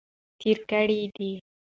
تیرې کړي دي.